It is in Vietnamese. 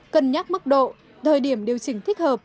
cân nhắc mức độ thời điểm điều chỉnh thích hợp